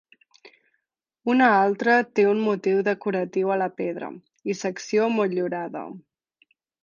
Una altra té un motiu decoratiu a la pedra, i secció motllurada.